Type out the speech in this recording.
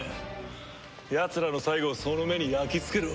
やつらの最期をその目に焼きつけろ！